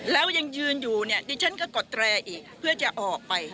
แล้วยังยืนอยู่เนี่ยดิฉันก็กดแตรอีกเพื่อจะออกไป